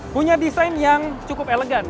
punya desain yang cukup elegan